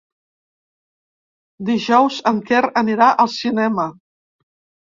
Dijous en Quer anirà al cinema.